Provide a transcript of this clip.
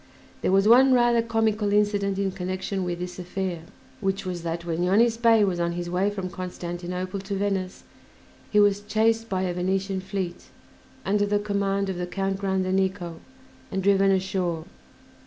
There was one rather comical incident in connection with this affair, which was that when Yonis Bey was on his way from Constantinople to Venice he was chased by a Venetian fleet, under the command of the Count Grandenico, and driven ashore.